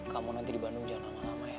kamu nanti di bandung jangan lama lama ya